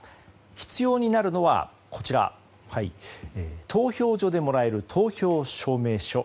必要になるのは投票所でもらえる投票証明書。